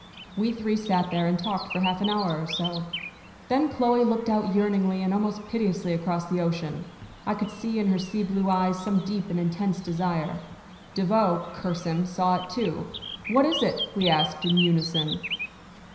We three sat there and talked for half an hour or so. Then Chloe looked out yearningly and almost piteously across the ocean. I could see in her sea blue eyes some deep and intense desire. Devoe, curse him! saw it too. "What is it?" we asked, in unison.